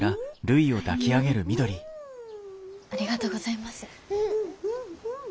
ありがとうございます。